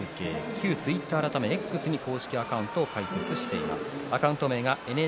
旧ツイッター改めＸ公式アカウントを開設しています。